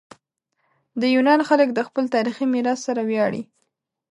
د یونان خلک د خپل تاریخي میراث سره ویاړي.